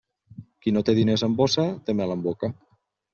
Qui no té diners en bossa té mel en boca.